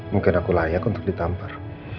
mungkin aku layak untuk ditampar